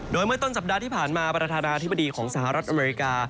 โดยเมื่อต้นสัปดาห์ที่ผ่านมาประธานาธิบดีของสหรัฐอเมริกา